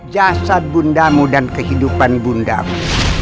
jasad bundamu dan kehidupan bundamu